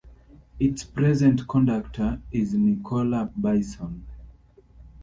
Its present conductor is Nicola Bisson.